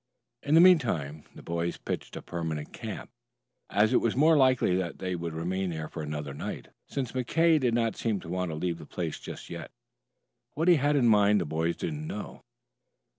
In the meantime the boys pitched a more permanent camp as it was more than likely that they would remain there for another night, since McKay did not seem to want to leave the place just yet. What he had in mind the boys did not know.